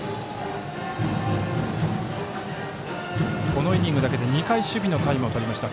このイニングだけで２回守備のタイムをとりました。